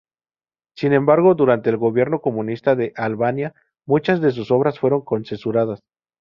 Sin embargo, durante el gobierno comunista de Albania, muchas de sus obras fueron censuradas.